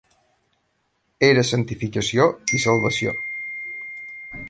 Era santificació i salvació.